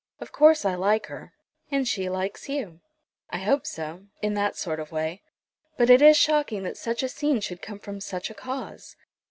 Of course I like her." "And she likes you." "I hope so, in that sort of way. But it is shocking that such a scene should come from such a cause."